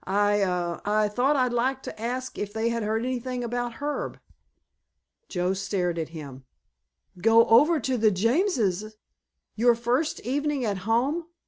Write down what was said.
I—a—I thought I'd like to ask if they had heard anything about Herb." Joe stared at him. "Go over to the Jameses? Your first evening at home!